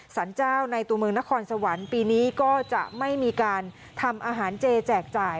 สรรเจ้าในตัวเมืองนครสวรรค์ปีนี้ก็จะไม่มีการทำอาหารเจแจกจ่าย